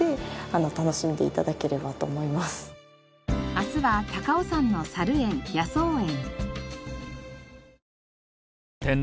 明日は高尾山のさる園・野草園。